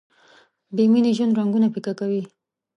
بې مینې ژوند رنګونه پیکه کوي.